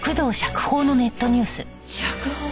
釈放！？